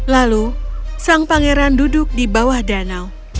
lalu sang pangeran duduk di bawah danau